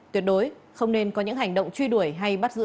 tuyệt đối không nên có những hành động truy đuổi hay bắt giữ